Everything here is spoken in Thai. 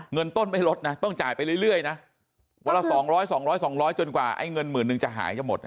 เงินต้นไม่ลดนะต้องจ่ายไปเรื่อยนะวันละสองร้อยสองร้อยสองร้อยจนกว่าไอ้เงินหมื่นหนึ่งจะหายก็หมด